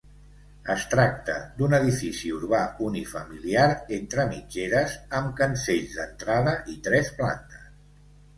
Es tracta d'un edifici urbà unifamiliar entre mitgeres amb cancells d'entrada i tres plantes.